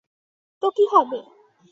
তো কী হবে?